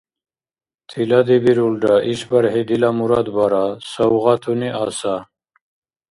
— Тиладибирулра ишбархӀи дила мурад бара — савгъатуни аса.